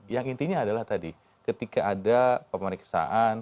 yang intinya adalah tadi ketika ada pemeriksaan